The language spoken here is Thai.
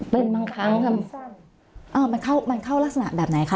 เป็นบางครั้งมันเข้ามันเข้ารักษณะแบบไหนคะ